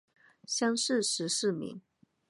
乡试十四名。